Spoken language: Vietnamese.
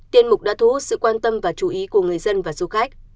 tiên mục đã thu hút sự quan tâm và chú ý của người dân và du khách